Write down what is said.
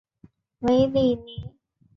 韦里尼。